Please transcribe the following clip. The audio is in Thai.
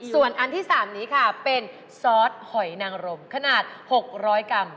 ส่วนอันที่๓นี้ค่ะเป็นซอสหอยนางรมขนาด๖๐๐กรัม